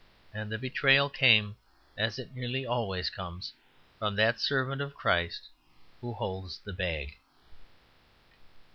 And the betrayal came, as it nearly always comes, from that servant of Christ who holds the bag.